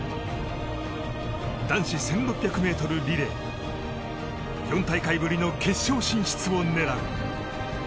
男子１６００ｍリレー４大会ぶりの決勝進出を狙う。